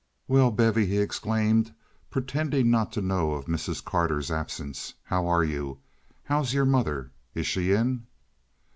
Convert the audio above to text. "Well, Bevy," he exclaimed, pretending not to know of Mrs. Carter's absence, "how are you? How's your mother? Is she in?"